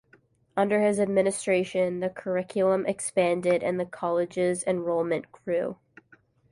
Under his administration, the curriculum expanded and the college's enrollment grew.